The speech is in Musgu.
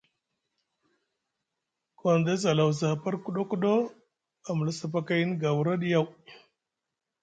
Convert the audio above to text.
Gondess a lawasi aha par kuɗo kuɗo a mula sapakayni garwa ɗa yaw.